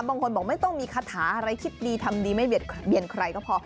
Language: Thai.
บางคนบอกไม่ต้องมีคาถาอะไรคิดดีทำดีไม่เบียดเบียนใครก็พอ